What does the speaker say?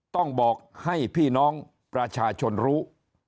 ต้องบอกให้พี่น้องประชาชนรู้